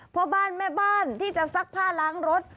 พ่อบ้านแม่บ้านที่จะซักผ้าล้างรถ